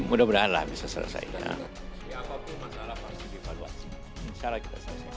insya allah kita selesaikan